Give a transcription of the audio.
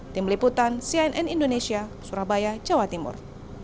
tim liputan cnn indonesia surabaya jawa timur